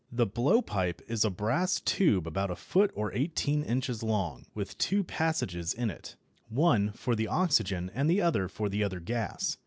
The blowpipe is a brass tube about a foot or eighteen inches long, with two passages in it, one for the oxygen and the other for the other gas.